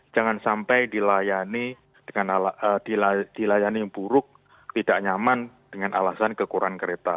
jangan sampai dilayani buruk tidak nyaman dengan alasan kekurangan kereta